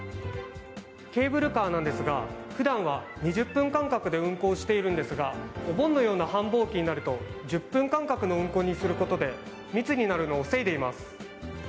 ケーブルカーなんですが普段は２０分間隔で運行しているんですがお盆のような繁忙期になると１０分間隔の運行にすることで密になるのを防いでいます。